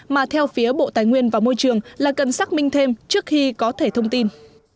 mà theo phía bộ tài nguyên và môi trường là cần xác minh thêm trước khi có thể thông tin